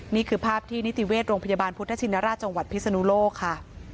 นี่คือภาพที่นิติเวชโรงพยาบาลพุทธชินราชจังหวัดพิศนุโลกค่ะ